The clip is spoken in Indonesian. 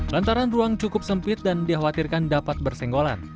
lantaran ruang cukup sempit dan dikhawatirkan dapat bersenggolan